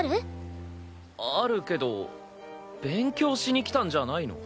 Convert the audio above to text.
あるけど勉強しに来たんじゃないの？